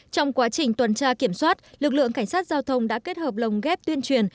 trong quá trình tuần tra kiểm soát lực lượng cảnh sát giao thông đã kết hợp lồng ghép tuyên truyền